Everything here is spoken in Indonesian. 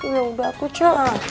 yaudah aku ce